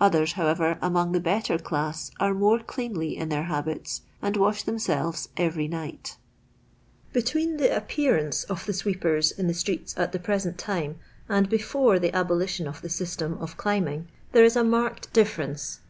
Others, however, among the better class are more cleanly in their habits, and wash tbeuiselves every night. Between t/ie Oj^jjcaranct of the swajar^ in the streets at the present time and before the aboli tion of the system of climbing there is a marked ditfi'rence.